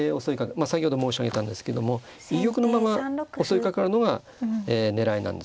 先ほど申し上げたんですけども居玉のまま襲いかかるのが狙いなんですよ。